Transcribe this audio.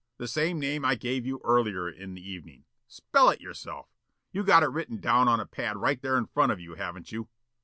... The same name I gave you earlier in the evening. ... Spell it yourself. You got it written down on a pad right there in front of you, haven't you?